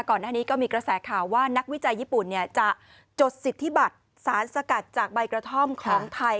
ก่อนหน้านี้ก็มีกระแสข่าวว่านักวิจัยญี่ปุ่นจะจดสิทธิบัตรสารสกัดจากใบกระท่อมของไทย